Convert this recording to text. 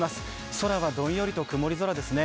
空はどんよりと曇り空ですね。